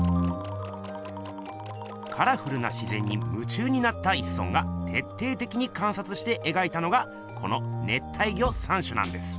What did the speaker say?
カラフルな自ぜんにむ中になった一村がてっていてきにかんさつしてえがいたのがこの「熱帯魚三種」なんです。